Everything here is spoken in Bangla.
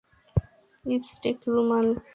লিপস্টিক, রুমাল।